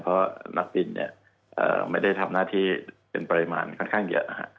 เพราะนักบินไม่ได้ทำหน้าที่เป็นปริมาณค่อนข้างเยอะนะฮะ